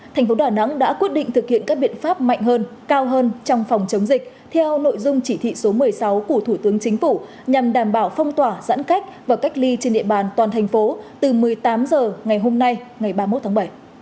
thành phố đà nẵng đã quyết định thực hiện các biện pháp mạnh hơn cao hơn trong phòng chống dịch theo nội dung chỉ thị số một mươi sáu của thủ tướng chính phủ nhằm đảm bảo phong tỏa giãn cách và cách ly trên địa bàn toàn thành phố từ một mươi tám h ngày hôm nay ngày ba mươi một tháng bảy